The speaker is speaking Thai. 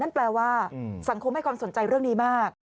แปลว่าสังคมให้ความสนใจเรื่องนี้มาก